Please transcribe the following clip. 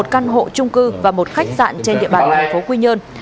một căn hộ trung cư và một khách sạn trên địa bàn thành phố quy nhơn